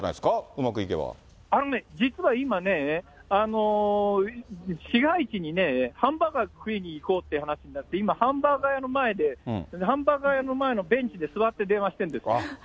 うあのね、実は今ね、市街地にハンバーガー食いに行こうって話になってて、今、ハンバーガー屋の前で、ハンバーガー屋の前のベンチに座って電話してるんです。